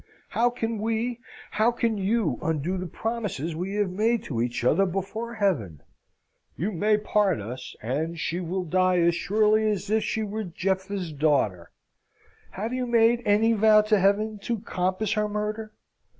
How can we, how can you, undo the promises we have made to each other before Heaven? You may part us: and she will die as surely as if she were Jephthah's daughter. Have you made any vow to Heaven to compass her murder?